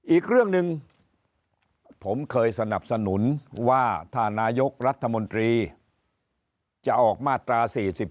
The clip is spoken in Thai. อีกเรื่องหนึ่งผมเคยสนับสนุนว่าถ้านายกรัฐมนตรีจะออกมาตรา๔๔